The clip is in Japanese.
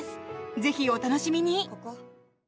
ぜひ、お楽しみに。